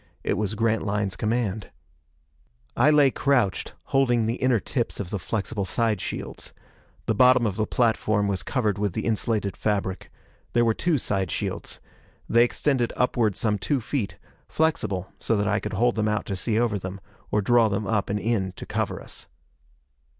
It was Grantline's command. I lay crouched, holding the inner tips of the flexible side shields. The bottom of the platform was covered with the insulated fabric. There were two side shields. They extended upward some two feet, flexible so that I could hold them out to see over them, or draw them up and in to cover us.